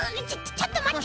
ちょっとまって。